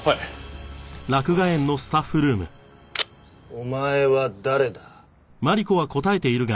お前は誰だ？